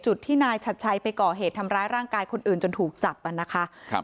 จุดที่นายชัดชัยไปก่อเหตุทำร้ายร่างกายคนอื่นจนถูกจับอ่ะนะคะครับ